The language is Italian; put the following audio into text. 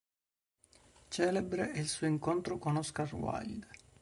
Celebre è il suo incontro con Oscar Wilde.